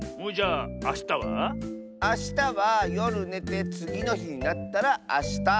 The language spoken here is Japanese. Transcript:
あしたはよるねてつぎのひになったらあした。